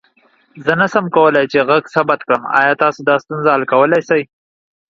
زه نسم کولى چې غږ ثبت کړم، آيا تاسو دا ستونزه حل کولى سې؟